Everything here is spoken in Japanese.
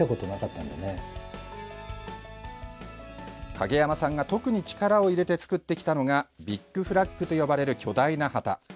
影山さんが特に力を入れて作ってきたのがビッグフラッグと呼ばれる巨大な旗。